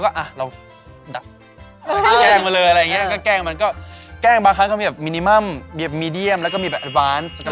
ว่าชอบแกล้งอะไรยังไงเพื่อนสนิทกันขนาดไหนเมาส์ค่ะเมาส์ค่ะ